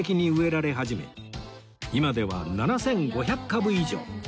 今では７５００株以上